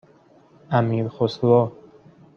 امیرخسرو